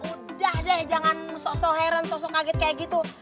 udah deh jangan so heran sosok kaget kayak gitu